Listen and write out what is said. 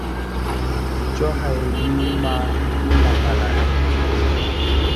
Coh hay lìyn ma li makalana.